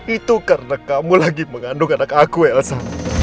itu karena kamu lagi mengandung anak aku elsa